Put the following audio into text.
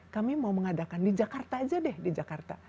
kami mau mengadakan di jakarta aja deh di jakarta